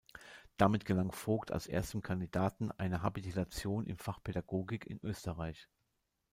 Damit gelang Vogt als erstem Kandidaten eine Habilitation im Fach Pädagogik in Österreich.